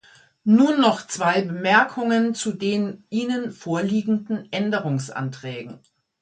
Nun noch zwei Bemerkungen zu den Ihnen vorliegenden Änderungsanträgen.